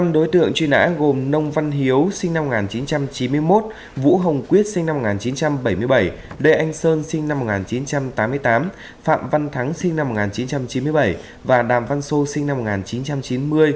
năm đối tượng truy nã gồm nông văn hiếu sinh năm một nghìn chín trăm chín mươi một vũ hồng quyết sinh năm một nghìn chín trăm bảy mươi bảy lê anh sơn sinh năm một nghìn chín trăm tám mươi tám phạm văn thắng sinh năm một nghìn chín trăm chín mươi bảy và đàm văn sô sinh năm một nghìn chín trăm chín mươi